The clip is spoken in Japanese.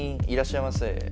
「いらっしゃいませ」